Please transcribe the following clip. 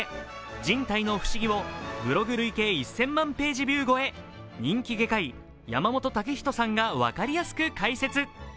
人体の不思議をブログ累計１０００万ページビュー超え、人気外科医・山本健人さんが分かりやすく解説。